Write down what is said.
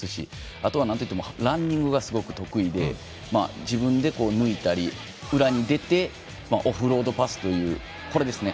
あとは、なんといってもランニングがすごく得意で自分で抜いたり、裏に出てオフロードパスという。